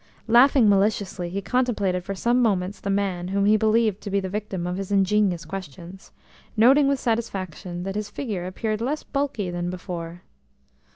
Laughing maliciously, he contemplated for some moments the man whom he believed to be the victim of his ingenious questions, noting with satisfaction that his figure appeared less bulky than before.